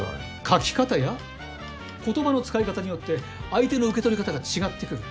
書き方や言葉の使い方によって相手の受け取り方が違ってくる。